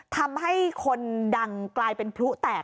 ทำให้คนดังกลายเป็นพลุแตก